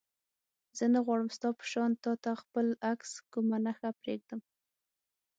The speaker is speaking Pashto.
زه نه غواړم ستا په شان تا ته خپل عکس کومه نښه پرېږدم.